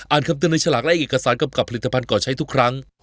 คำเตือนในฉลากและเอกสารกำกับผลิตภัณฑ์ก่อใช้ทุกครั้ง